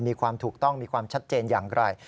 มีความถูกต้องมีความชัดเจนอย่างไร